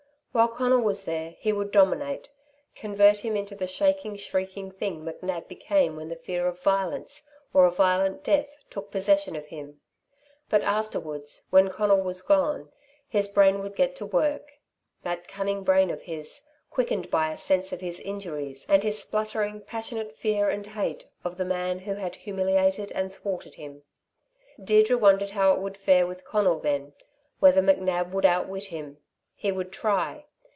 While Conal was there he would dominate, convert him into the shaking, shrieking thing McNab became when the fear of violence, or a violent death, took possession of him; but afterwards, when Conal was gone, his brain would get to work that cunning brain of his, quickened by a sense of his injuries and his spluttering, passionate fear and hate of the man who had humiliated and thwarted him. Deirdre wondered how it would fare with Conal then, whether McNab would outwit him. He would try.